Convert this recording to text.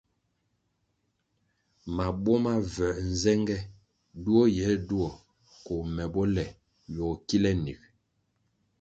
Mabuo ma vuē nzenge duo yir na duo koh me bo le ywogo kile nig.